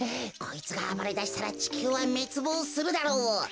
こいつがあばれだしたらちきゅうはめつぼうするだろう。